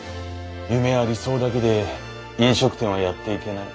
夢や理想だけで飲食店はやっていけない。